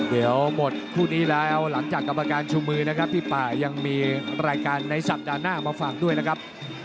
เดี๋ยวหมดคู่นี้แล้วหลังจากกรรมการชูมือนะครับพี่ป่ายังมีรายการในสัปดาห์หน้ามาฝากด้วยนะครับ